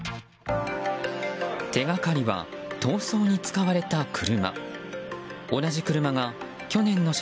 手がかりは逃走に使われた車。